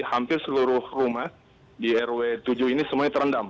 hampir seluruh rumah di rw tujuh ini semuanya terendam